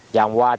vòng qua tới sông